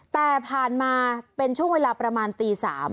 แต่ผ่านมาเป็นช่วงเวลาประมาณตี๓